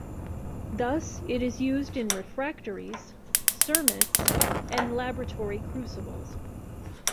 Thus it is used in refractories, cermets and laboratory crucibles.